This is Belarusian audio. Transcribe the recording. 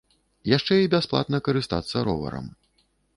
Яшчэ і бясплатна карыстацца роварам.